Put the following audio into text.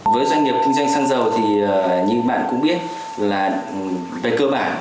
với doanh nghiệp kinh doanh xăng dầu thì như bạn cũng biết là về cơ bản